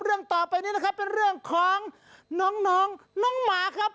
เรื่องต่อไปนี้นะครับเป็นเรื่องของน้องน้องหมาครับ